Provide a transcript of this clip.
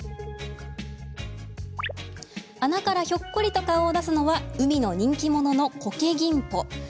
穴からひょっこりと顔を出すのは海の人気者のコケギンポ。